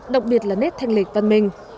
đặc biệt là nét thanh lịch văn minh